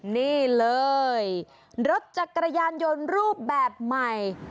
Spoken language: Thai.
นี่เลยรถจักรยานยนต์รูปแบบใหม่